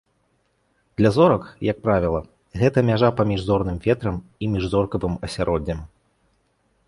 Для зорак, як правіла, гэта мяжа паміж зорным ветрам і міжзоркавым асяроддзем.